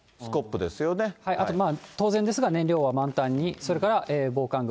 あと当然ですが、燃料は満タンに、それから防寒具。